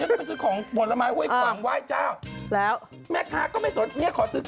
ฉันก็ไปซื้อของผลไม้ห้วยขวางไว้เจ้าแล้วแม่ค้าก็ไม่สน